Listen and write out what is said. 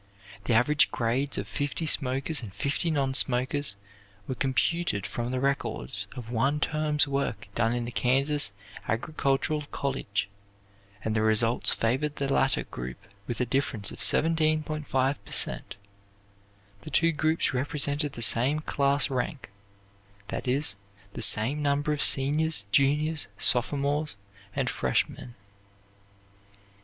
The average grades of fifty smokers and fifty non smokers were computed from the records of one term's work done in the Kansas Agricultural college and the results favored the latter group with a difference of 17.5 per cent. The two groups represented the same class rank; that is, the same number of seniors, juniors, sophomores, and freshmen."